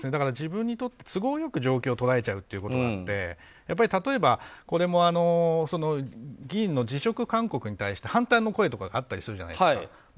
自分にとって都合よく状況を捉えちゃうということがあって例えば、これも議員の辞職勧告に対して反対の声とかがあったりするじゃないですか。